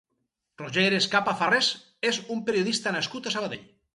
Roger Escapa Farrés és un periodista nascut a Sabadell.